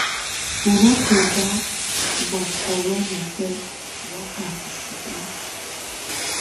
Tù nà kɛnda ù makɔlɔ niɔfɛna ɔ wakaka ù sukulu.